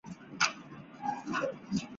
李根源早年学习旧学。